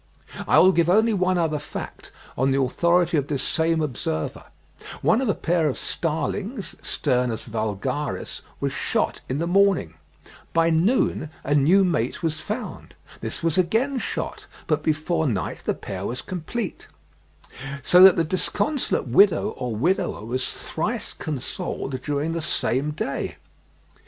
I will give only one other fact, on the authority of this same observer; one of a pair of starlings (Sturnus vulgaris) was shot in the morning; by noon a new mate was found; this was again shot, but before night the pair was complete; so that the disconsolate widow or widower was thrice consoled during the same day.